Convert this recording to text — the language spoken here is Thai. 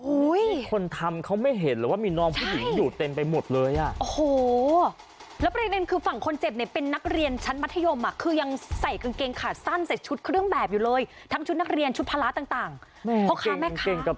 โอ้ยคนทำเขาไม่เห็นว่ามีน้องผู้หญิงอยู่เต็มไปหมดเลยอ่ะโอ้โหแล้วเป็นเป็นคือฝั่งคนเจ็บในเป็นนักเรียนชั้นมัธยมมาคือยังใส่กางเกงขาดสั้นใส่ชุดเครื่องแบบอยู่เลยทั้งชุดนักเรียนชุดพละต่างเพราะค่ะแม่ค่ะ